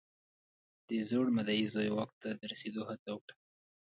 د زوړ مدعي زوی واک ته د رسېدو هڅه وکړه.